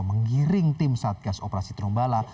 menggiring tim satgas operasi trumbala